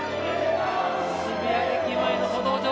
渋谷駅前の歩道上。